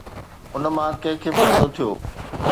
ان مان ڪنهن کي فائدو ٿيو؟